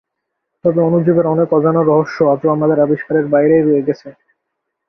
তবে অণুজীবের অনেক অজানা রহস্য আজও আমাদের আবিষ্কারের বাইরেই রয়ে গেছে।